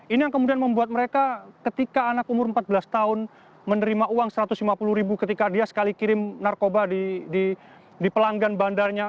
ini yang kemudian membuat mereka ketika anak umur empat belas tahun menerima uang rp satu ratus lima puluh ribu ketika dia sekali kirim narkoba di pelanggan bandarnya